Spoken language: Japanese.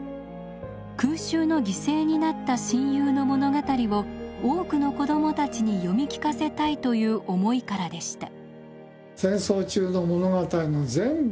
空襲の犠牲になった親友の物語を多くの子どもたちに読み聞かせたいという思いからでした。